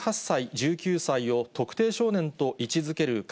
１８歳、１９歳を特定少年と位置づける